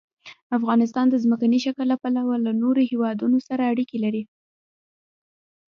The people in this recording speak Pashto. افغانستان د ځمکني شکل له پلوه له نورو هېوادونو سره اړیکې لري.